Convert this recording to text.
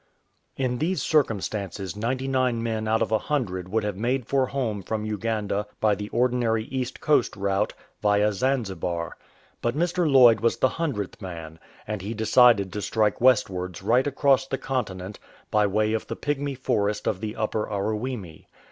In these circumstances ninety nine men out of a hun dred would have made for home from Uganda by the ordinary East Coast route, via Zanzibar. But Mr. Lloyd was the hundredth man, and he decided to strike west wards right across the continent, by way of the Pygmy Forest of the Upper Aruwimi.